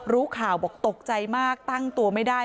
รู้ข่าวบอกตกใจมากตั้งตัวไม่ได้